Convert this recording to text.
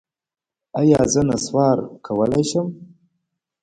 ایا زه نسوار کولی شم؟